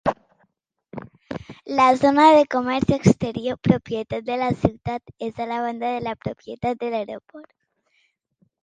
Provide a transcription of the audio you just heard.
La zona de comerç exterior propietat de la ciutat és a la banda de la propietat de l'aeroport.